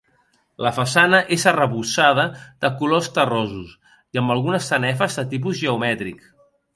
La façana és arrebossada de colors terrosos i amb algunes sanefes de tipus geomètric.